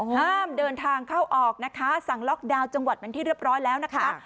ห้ามเดินทางเข้าออกนะคะสั่งล็อกดาวน์จังหวัดเป็นที่เรียบร้อยแล้วนะคะ